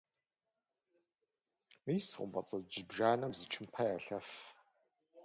Мис хъумпӏэцӏэдж зыбжанэм зы чымпэ ялъэф.